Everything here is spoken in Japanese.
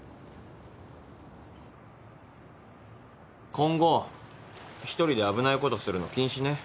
今後１人で危ないことするの禁止ね。